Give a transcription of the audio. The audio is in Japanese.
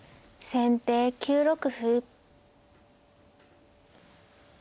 先手２六歩。